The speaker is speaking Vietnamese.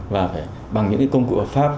và phải bằng những công cụ hợp pháp